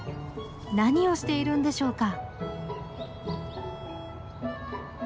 何をしているんでしょうか？